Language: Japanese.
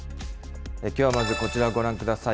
きょうはまず、こちらご覧ください。